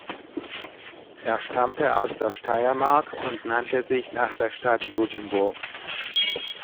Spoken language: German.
Er stammte aus der Steiermark und nannte sich nach der Stadt Judenburg.